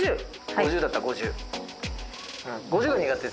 ５０だった５０。